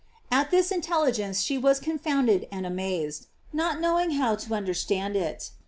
At this intelligence she was confounded and amazed, not knowing how to understand it.